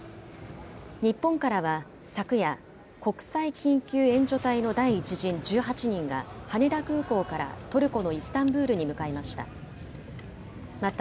日本からは昨夜、国際緊急援助隊の第１陣１８人が、羽田空港からトルコのイスタンブールに向かいました。